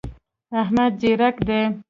احمد ځیرک دی.